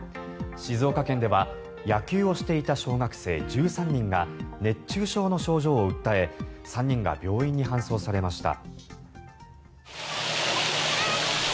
静岡県では野球をしていた小学生１３人が熱中症の症状を訴え３人が病院に搬送されました。